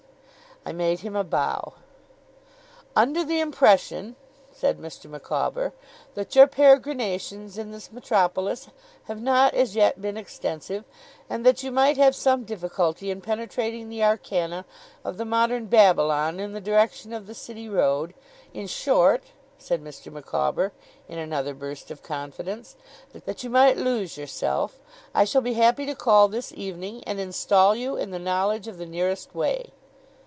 I made him a bow. 'Under the impression,' said Mr. Micawber, 'that your peregrinations in this metropolis have not as yet been extensive, and that you might have some difficulty in penetrating the arcana of the Modern Babylon in the direction of the City Road, in short,' said Mr. Micawber, in another burst of confidence, 'that you might lose yourself I shall be happy to call this evening, and install you in the knowledge of the nearest way.